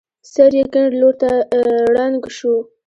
سر يې کيڼ لور ته ړنګ شو.